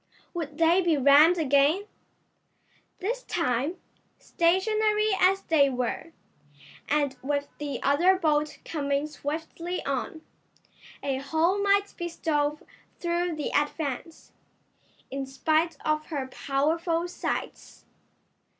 Would they be rammed again? This time, stationary as they were, and with the other boat coming swiftly on, a hole might be stove through the Advance, in spite of her powerful sides.